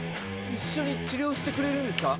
一緒に治療してくれるんですか？